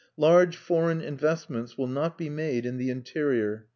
Large foreign investments will not be made in the interior.